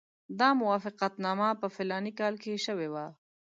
دا موافقتنامه په فلاني کال کې شوې وه.